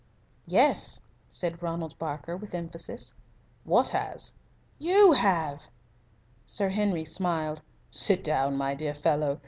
"Yes," said Ronald Barker, with emphasis. "What has?" "You have." Sir Henry smiled. "Sit down, my dear fellow.